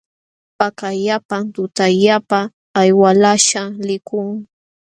Pakallapam tutallapa hay walaśhkaq likun.